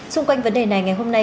xung quanh vấn đề này ngày hôm nay